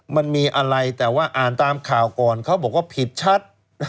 มันมีอะไรแต่ว่าอ่านตามข่าวก่อนเขาบอกว่าผิดชัด